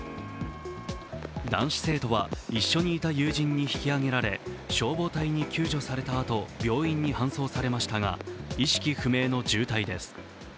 男子生徒は一緒にいた友人に引き上げられ消防隊に救助されたあと病院に搬送されましたが意識不明の重体です。